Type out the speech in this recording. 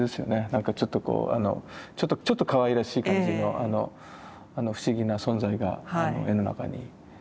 なんかちょっとこうちょっとかわいらしい感じの不思議な存在が絵の中に。